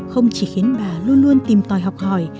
không chỉ khiến bà luôn luôn tìm tòi học hỏi